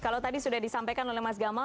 kalau tadi sudah disampaikan oleh mas gamal